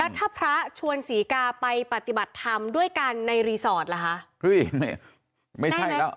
แล้วถ้าพระชวนศรีกาไปปฏิบัติธรรมด้วยกันในรีสอร์ทล่ะค่ะ